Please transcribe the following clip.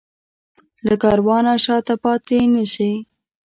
له کاروانه شاته پاتې نه شي.